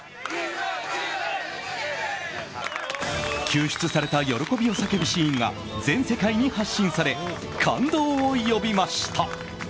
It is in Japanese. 救出された喜びを叫ぶシーンが全世界に発信され感動を呼びました。